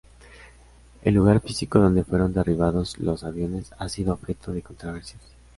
El lugar físico donde fueron derribados los aviones ha sido objeto de controversias.